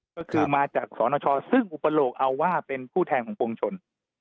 ก็คือมาจากสนชซึ่งอุปโลกเอาว่าเป็นผู้แทนของปวงชน